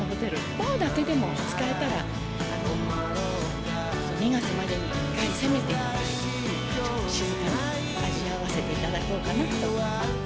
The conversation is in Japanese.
バーだけでも使えたら、２月までに１回、せめて１回、ちょっと静かに味わわせていただこうかなと思って。